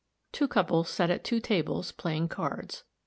Two couples sat at two tables playing cards.